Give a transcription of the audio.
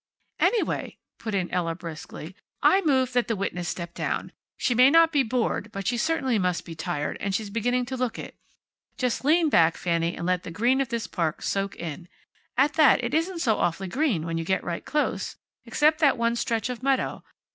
"Anyway," put in Ella, briskly, "I move that the witness step down. She may not be bored, but she certainly must be tired, and she's beginning to look it. Just lean back, Fanny, and let the green of this park soak in. At that, it isn't so awfully green, when you get right close, except that one stretch of meadow.